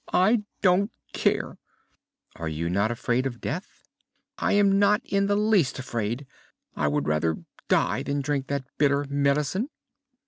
"I don't care." "Are you not afraid of death?" "I am not in the least afraid! I would rather die than drink that bitter medicine."